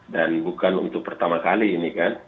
dan bukan untuk pertama kali ini kan